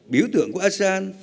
biểu tượng của asean